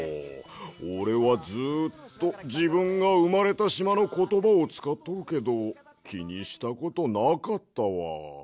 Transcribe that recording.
おれはずっとじぶんがうまれたしまのことばをつかっとるけどきにしたことなかったわ。